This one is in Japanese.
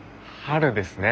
春ですね